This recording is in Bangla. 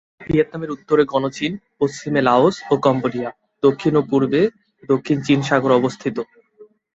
ভিয়েতনামের উত্তরে গণচীন, পশ্চিমে লাওস ও কম্বোডিয়া, দক্ষিণ ও পূর্বে দক্ষিণ চীন সাগর অবস্থিত।